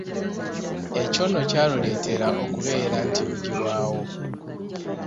Ekyo nno kyaluleetera okubeera nti lugyibwawo.